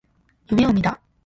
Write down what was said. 夢を見た。